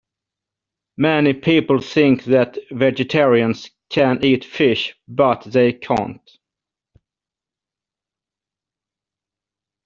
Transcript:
Many people think that vegetarians can eat fish, but they can't